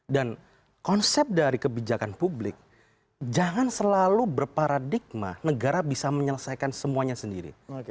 dan konsep dari kebijakan publik jangan selalu berparadigma negara bisa menyelesaikan semuanya sendiri